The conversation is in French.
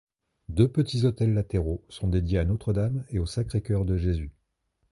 Deux petits autels latéraux sont dédiés à Notre-Dame et au Sacré-Cœur de Jésus.